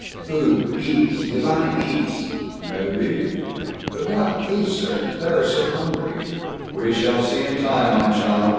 "Food. Eats. Divine eats." "Maybe." "But what? Please, sir. Claire is so hungry." "We shall see in time, my child.